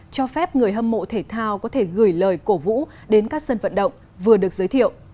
cho phép người hâm mộ thể thao có thể gửi lời cổ vũ đến các sân vận động vừa được giới thiệu